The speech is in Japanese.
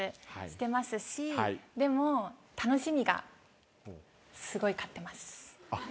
してますしでも楽しみがすごい勝ってます。